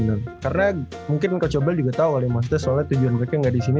karena mungkin coach yobel juga tau oleh master soalnya tujuan mereka gak disini